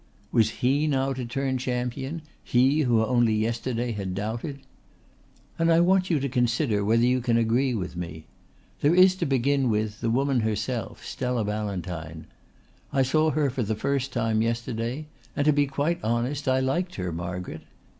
Was he now to turn champion, he who only yesterday had doubted? "And I want you to consider whether you can agree with me. There is to begin with the woman herself, Stella Ballantyne. I saw her for the first time yesterday, and to be quite honest I liked her, Margaret.